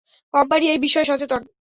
Company এই বিষয়ে সচেতন।